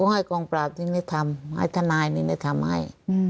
ให้กองปราบที่ถึงทำให้